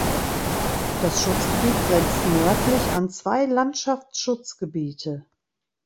Das Schutzgebiet grenzt nördlich an zwei Landschaftsschutzgebiete.